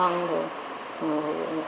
nói chung là tốt lắm